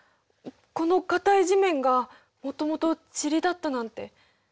この硬い地面がもともと塵だったなんて。